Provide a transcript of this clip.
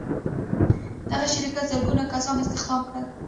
دغه شرکت زرګونه کسان استخدام کړل.